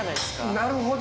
なるほど。